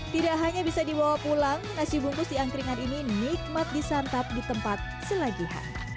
tidak hanya bisa dibawa pulang nasi bungkus di angkringan ini nikmat disantap di tempat selagihan